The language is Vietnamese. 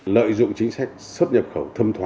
lợi dụng chính sách xuất nhập khẩu